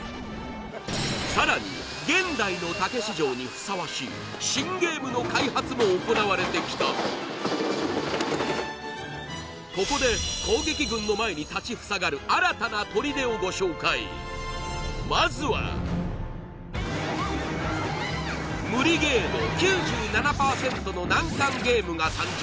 さらに現代のたけし城にふさわしいここで攻撃軍の前に立ちふさがる新たな砦をご紹介まずは無理ゲー度９７％の難関ゲームが誕生